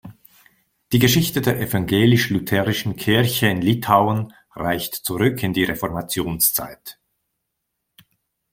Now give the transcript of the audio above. Die Geschichte der Evangelisch-Lutherischen Kirche in Litauen reicht zurück in die Reformationszeit.